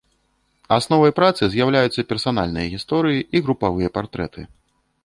Асновай працы з'яўляюцца персанальныя гісторыі і групавыя партрэты.